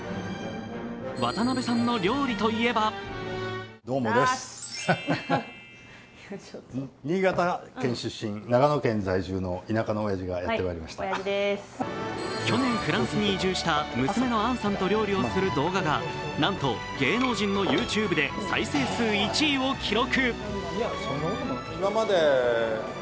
渡辺さんの料理といえば去年、フランスに移住した娘の杏さんと料理をする動画がなんと芸能人のＹｏｕＴｕｂｅで再生数１位を記録。